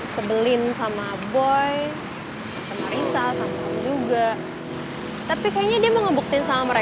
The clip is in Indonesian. semberingah sengar cengir tecengar cengir